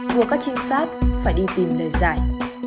mùa các trinh sát phải đi tìm lời giải